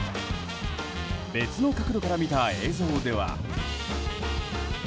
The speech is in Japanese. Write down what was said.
別の角度から見た映像では。